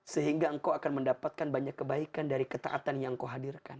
sehingga engkau akan mendapatkan banyak kebaikan dari ketaatan yang engkau hadirkan